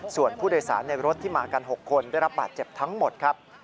ส่วนผู้โดยสารในรถที่มากัน๖คนได้รับบาดเจ็บทั้งหมดครับ